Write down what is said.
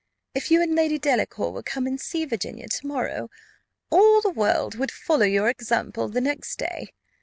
If you and Lady Delacour will come and see Virginia to morrow, all the world would follow your example the next day.